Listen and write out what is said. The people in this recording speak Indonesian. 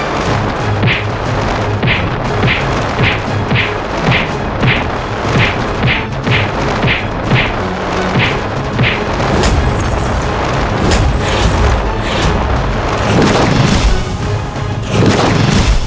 kau tak bisa menangkap aku